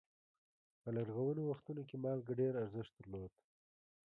په لرغونو وختونو کې مالګه ډېر ارزښت درلود.